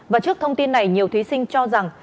và trước thông tin này nhiều thí sinh cho rằng